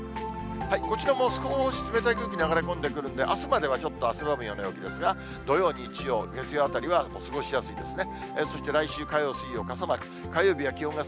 こちらも少し冷たい空気流れ込んでくるんで、あすまではちょっと汗ばむような陽気ですが、土曜、日曜、月曜あたりは、過ごしやすいですね。